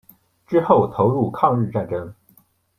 之后投入抗日战争。